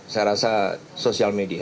bukan social media